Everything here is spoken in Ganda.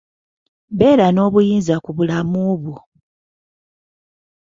Beera n'obuyinza ku bulamu bwo.